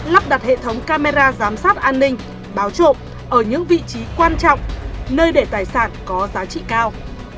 lắp đặt hệ thống camera giám sát an ninh báo trộm ở những vị trí quan trọng nơi để tài sản có giá trị cao